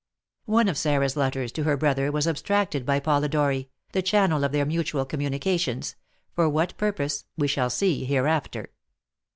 One of Sarah's letters to her brother was abstracted by Polidori, the channel of their mutual communications; for what purpose we shall see hereafter.